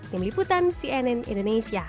tim liputan cnn indonesia